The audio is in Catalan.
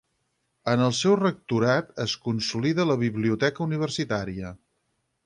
En el seu rectorat es consolida la Biblioteca universitària.